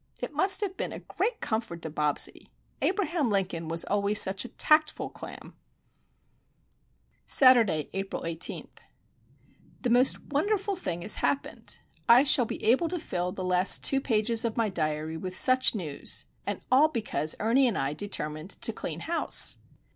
It must have been a great comfort to Bobsie! Abraham Lincoln was always such a tactful clam!" Saturday, April 18. The most wonderful thing has happened. I shall be able to fill the last two pages of my diary with such news,—and all because Ernie and I determined to clean house!